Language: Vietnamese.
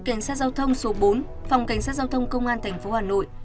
cảnh sát giao thông số bốn phòng cảnh sát giao thông công an tp hà nội